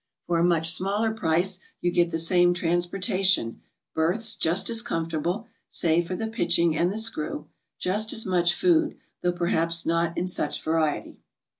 For a much smaller price you get the same transportation, berths just as comfortable, save for the pitch ing and the screw, just as much food, though perhaps not in such variety.